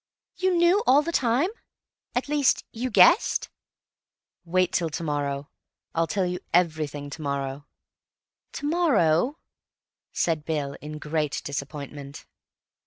"You knew all the time? At least, you guessed?" "Wait till to morrow. I'll tell you everything to morrow." "To morrow!" said Bill in great disappointment.